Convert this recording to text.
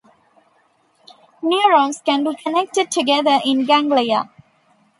Neurons can be connected together in ganglia.